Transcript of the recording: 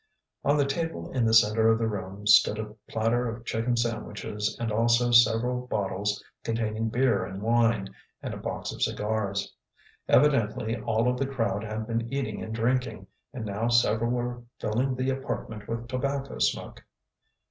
On the table in the center of the room stood a platter of chicken sandwiches and also several bottles containing beer and wine, and a box of cigars. Evidently all of the crowd had been eating and drinking, and now several were filling the apartment with tobacco smoke.